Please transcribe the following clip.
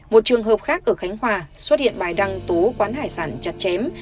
một trường hợp khác ở khánh hòa xuất hiện bài đăng tú quán hải sản chặt chém